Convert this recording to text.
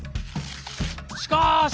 しかし！